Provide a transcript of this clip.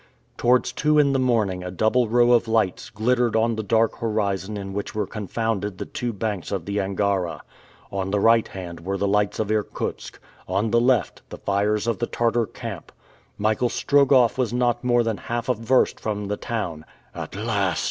Towards two in the morning a double row of lights glittered on the dark horizon in which were confounded the two banks of the Angara. On the right hand were the lights of Irkutsk; on the left, the fires of the Tartar camp. Michael Strogoff was not more than half a verst from the town. "At last!"